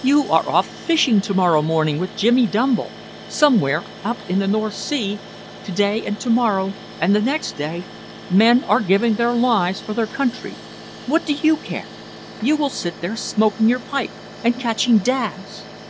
You are off fishing to morrow morning with Jimmy Dumble. Somewhere up in the North Sea, to day and to morrow and the next day, men are giving their lives for their country. What do you care? You will sit there smoking your pipe and catching dabs!"